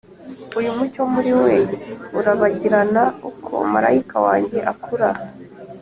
uyu mucyo muri we urabagirana uko marayika wanjye akura.